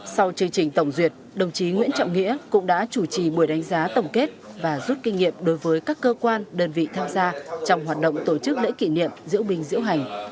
sau chương trình tổng duyệt đồng chí nguyễn trọng nghĩa cũng đã chủ trì buổi đánh giá tổng kết và rút kinh nghiệm đối với các cơ quan đơn vị tham gia trong hoạt động tổ chức lễ kỷ niệm diễu bình diễu hành